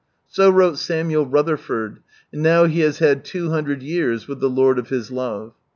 So wrote Samuel Rutherford, and now he has had two hundred years with the Lord of his love.